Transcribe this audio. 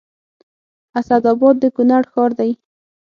اسداباد د کونړ ښار دی